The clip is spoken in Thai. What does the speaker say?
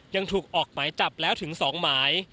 ยังถูกออกหมายจับแล้วถึง๒หมาย